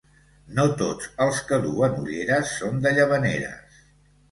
No tots els que duen ulleres són de Llavaneres.